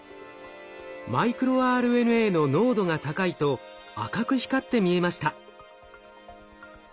マイクロＲＮＡの濃度が高いと赤く光って見えました。